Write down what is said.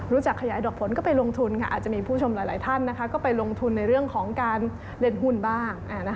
ขยายดอกผลก็ไปลงทุนอาจจะมีผู้ชมหลายท่านก็ไปลงทุนในเรื่องของการเล่นหุ้นบ้าง